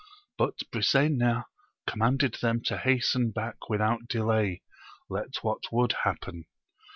But Brisena commanded them to hasten back without delay, let what would happen.